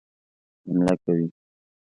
حمله کوي.